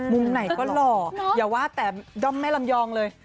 มุมไหนก็หล่ออย่าว่าแต่ด้อมแม่ลำยองเลย